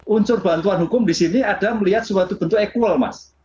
unsur bantuan hukum di sini ada melihat suatu bentuk equal mas